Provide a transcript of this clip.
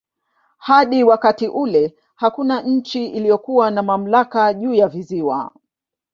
Hadi wakati ule hakuna nchi iliyokuwa na mamlaka juu ya visiwa.